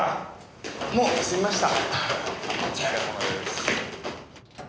もう済みました。